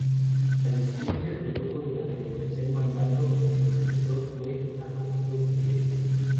La dimisión se produjo durante el tercer mandato y su sucesor fue Agapito Iglesias.